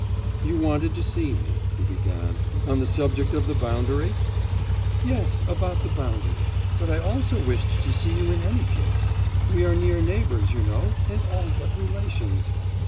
'You wanted to see me,' he began, 'on the subject of the boundary?' 'Yes; about the boundary. But I also wished to see you in any case. We are near neighbours, you know, and all but relations.